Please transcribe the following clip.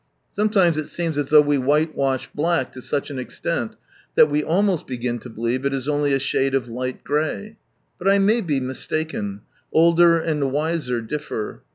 Sometimes it seems as though we whitewash black to such an extent that we almost begin to believe it is only a shade of light grey. But I may be mistaken : older and wiser differ.